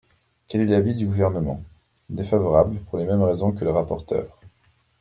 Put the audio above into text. Quel est l’avis du Gouvernement ? Défavorable, pour les mêmes raisons que la rapporteure.